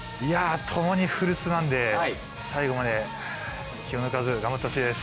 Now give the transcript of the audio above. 共に古巣なんで最後まで気を抜かず、頑張ってほしいです！